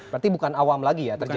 berarti bukan awam lagi ya terjadi